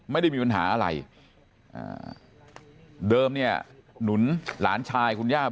ไม่ได้มีปัญหาอะไรเดิมเนี่ยหนุนหลานชายคุณย่า